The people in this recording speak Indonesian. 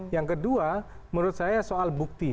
yang kedua menurut saya soal bukti